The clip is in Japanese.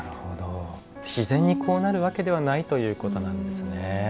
自然にこうなるわけではないということなんですね。